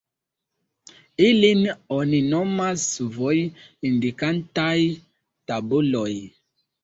Ilin oni nomas voj-indikantaj tabuloj.